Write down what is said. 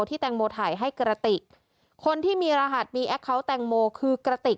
แตงโมถ่ายให้กระติกคนที่มีรหัสมีแอคเคาน์แตงโมคือกระติก